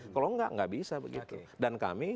kalau enggak nggak bisa begitu dan kami